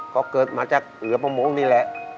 ก็เกิดมาจากเหลือประมงนี่แหละ